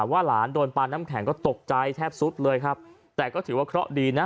ว่าหลานโดนปลาน้ำแข็งก็ตกใจแทบสุดเลยครับแต่ก็ถือว่าเคราะห์ดีนะ